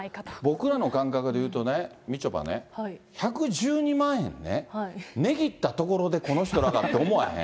僕らの感覚でいうとね、みちょぱね、１１２万円ね、値切ったところで、この人らがって思わへん？